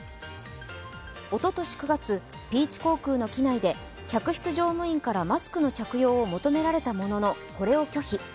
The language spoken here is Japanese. おととし９月、ピーチ航空の機内で客室乗務員からマスクの着用を求められたものの、これを拒否。